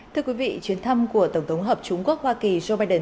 thưa quý vị chuyến thăm của tổng thống hợp chúng quốc hoa kỳ joe biden